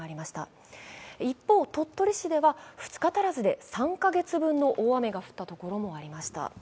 一方、鳥取市では２日足らずで３か月分の大雨が降ったところもありました。